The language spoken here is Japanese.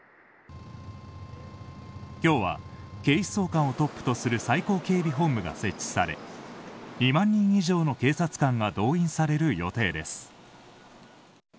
今日は警視総監をトップとする最高警備本部が設置され２万人以上の警察官が動員される予定です。